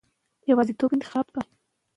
افغان ولس د جګړې له امله سخت فشار لاندې دی.